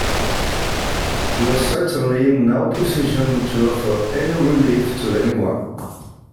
He was certainly in no position to offer any relief to anyone.